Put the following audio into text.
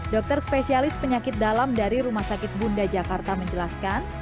dokter spesialis penyakit dalam dari rumah sakit bunda jakarta menjelaskan